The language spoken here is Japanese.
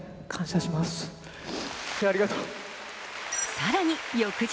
更に翌日